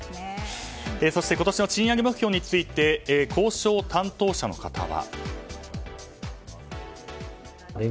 そして今年の賃上げ目標について交渉担当者の方は。